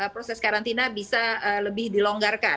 proses karantina bisa lebih dilonggarkan